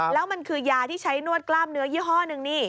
แล้วมันคือยาที่ใช้นวดกล้ามเนื้อยี่ห้อหนึ่งนี่